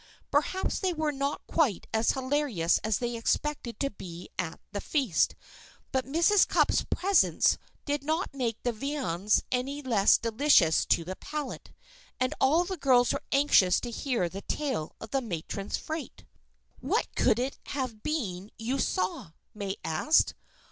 Perhaps they were not quite as hilarious as they expected to be at the feast; but Mrs. Cupp's presence did not make the viands any the less delicious to the palate. And all of the girls were anxious to hear the tale of the matron's fright. "What could it have been you saw?" May asked.